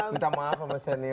minta maaf sama senior